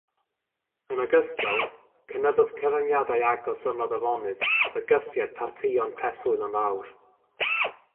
Yn ogystal, cynyddodd cyfyngiadau agos ymladd afonydd fygythiad partïon preswyl yn fawr.